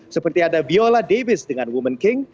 seperti ada viola davis dengan woman king